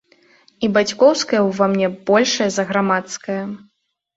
І бацькоўскае ўва мне большае за грамадскае.